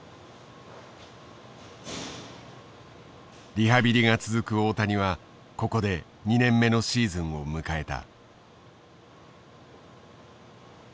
リハビリが続く大谷はここで２年目のシーズンを迎えた。